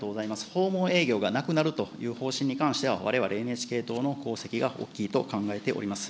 訪問営業がなくなるという方針に関しては、われわれ、ＮＨＫ党の功績が大きいと考えております。